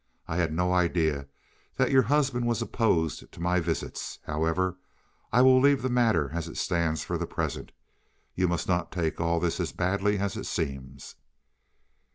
I had no idea that your husband was opposed to my visits. However, I will leave the matter as it stands for the present. You must not take all this as badly as it seems."